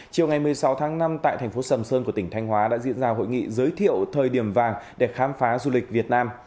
chiều ngày một mươi sáu tháng năm tại thành phố sầm sơn của tỉnh thanh hóa đã diễn ra hội nghị giới thiệu thời điểm vàng để khám phá du lịch việt nam